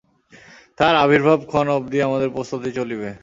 তাঁহার আবির্ভাব-ক্ষণ অবধি আমাদের প্রস্তুতি চলিবে।